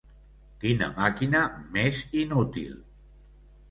Quina màquina més inútil!